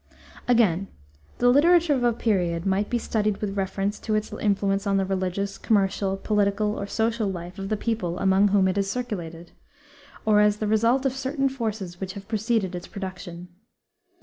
3. Again, the literature of a period might be studied with reference to its influence on the religious, commercial, political, or social life of the people among whom it has circulated; or as the result of certain forces which have preceded its production.